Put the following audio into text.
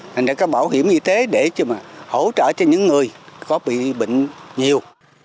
nên đã có bảo hiểm y tế để cho mà hỗ trợ cho những người có bị bệnh nhiều